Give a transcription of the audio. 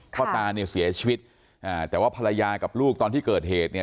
ตาเนี่ยเสียชีวิตอ่าแต่ว่าภรรยากับลูกตอนที่เกิดเหตุเนี่ย